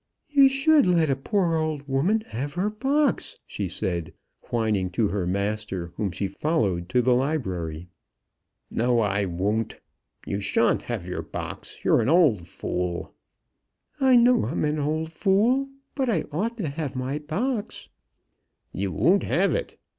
"You should let a poor old woman have her box," she said, whining to her master, whom she followed to the library. "No; I won't! You shan't have your box. You're an old fool!" "I know I'm an old fool; but I ought to have my box." "You won't have it.